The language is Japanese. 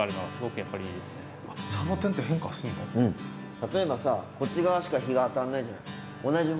例えばさこっち側しか日が当たらないじゃない。